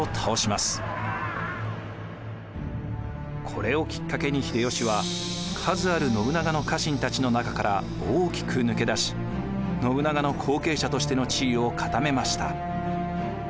これをきっかけに秀吉は数ある信長の家臣たちの中から大きく抜け出し信長の後継者としての地位を固めました。